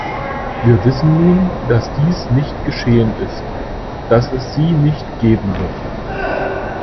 Wir wissen nun, dass dies nicht geschehen ist, dass es sie nicht geben wird.